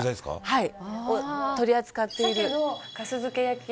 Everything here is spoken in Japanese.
はい。